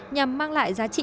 nhằm mang lại giá trị